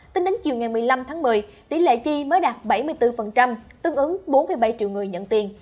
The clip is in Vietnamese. tính đến chiều ngày một mươi năm tháng một mươi tỷ lệ chi mới đạt bảy mươi bốn tương ứng bốn bảy triệu người nhận tiền